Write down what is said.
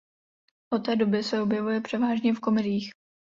Od té doby se objevuje převážně v komediích.